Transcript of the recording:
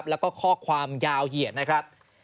แล้วก็ข้อความยาวเหยียดนะครับ